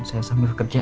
saya sambil kerja